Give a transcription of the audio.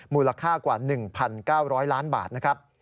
มูลค่ากว่า๑๙๐๐ล้านบาทนะครับ